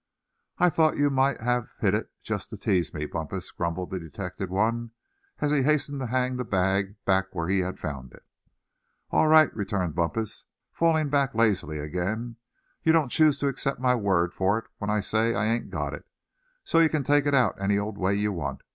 "I thought you might have hid it just to tease me, Bumpus," grumbled the detected one, as he hastened to hang the bag back where he had found it. "All right," returned Bumpus, falling back lazily, again; "you don't choose to accept my word for it when I say I ain't got it; and so you can take it out any old way you want.